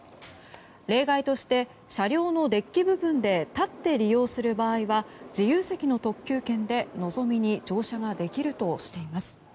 例外として、車両のデッキ部分で立って利用する場合は自由席の特急券で「のぞみ」に乗車ができるとしています。